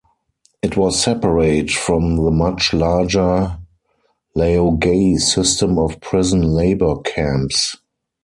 It was separate from the much larger "laogai" system of prison labor camps.